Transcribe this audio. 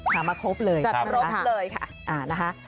ถามมาครบเลยค่ะ